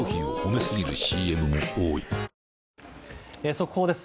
速報です。